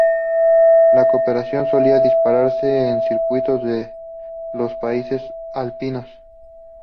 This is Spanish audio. La competición solía disputarse en circuitos de de los Países alpinos.